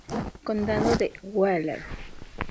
Condado de Wheeler